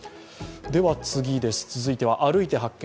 続いては「歩いて発見！